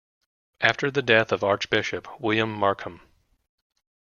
After the death of Archbishop William Markham.